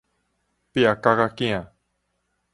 壁角仔囝